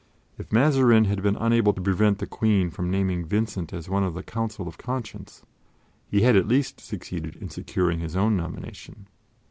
If Mazarin had been unable to prevent the Queen from naming Vincent as one of the Council of Conscience, he had at least succeeded in securing his own nomination.